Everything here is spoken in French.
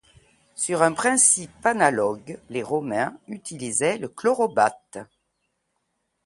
Sur un principe analogue, les Romains utilisaient le chorobate.